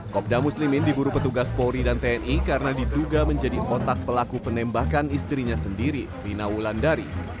kopda muslimin diburu petugas polri dan tni karena diduga menjadi otak pelaku penembakan istrinya sendiri rina wulandari